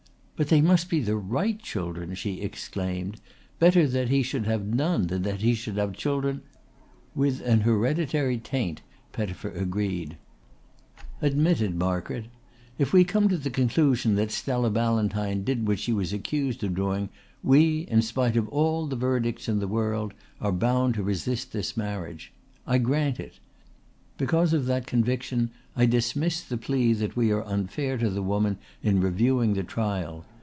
"But they must be the right children," she exclaimed. "Better that he should have none than that he should have children " "With an hereditary taint," Pettifer agreed. "Admitted, Margaret. If we come to the conclusion that Stella Ballantyne did what she was accused of doing we, in spite of all the verdicts in the world, are bound to resist this marriage. I grant it. Because of that conviction I dismiss the plea that we are unfair to the woman in reviewing the trial.